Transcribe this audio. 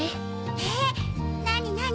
えなになに？